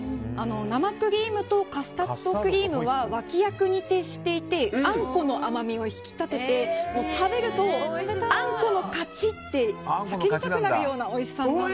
生クリームとカスタードクリームは脇役に徹していてあんこの甘みを引き立てて食べると、あんこの勝ちって叫びたくなるようなおいしさです。